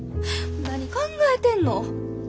何考えてんの。